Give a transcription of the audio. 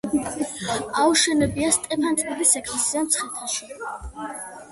აუშენებია სტეფანწმინდის ეკლესია მცხეთაში.